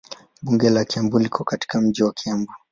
Bunge la Kiambu liko katika mji wa Kiambu.